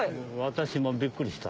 私もびっくりした。